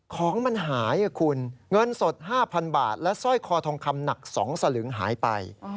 ของมันหายคุณเงินสด๕๐๐๐บาทและสร้อยคอทองคำหนัก๒สลึงหายไป